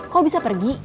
kok bisa pergi